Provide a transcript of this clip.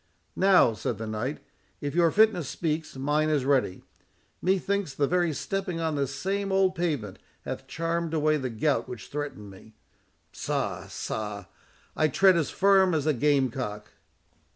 "Now," said the knight, "if your fitness speaks, mine is ready. Methinks the very stepping on this same old pavement hath charmed away the gout which threatened me. Sa—sa—I tread as firm as a game cock."